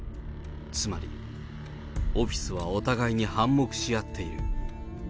つまり、オフィスはお互いに反目し合っている。